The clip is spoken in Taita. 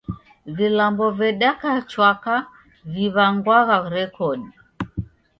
Vilambo vedaka chwaka viw'angwagha rekodi.